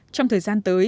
trong thời gian tới